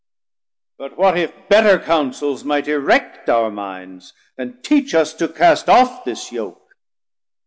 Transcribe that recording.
But what if better counsels might erect Our minds and teach us to cast off this Yoke?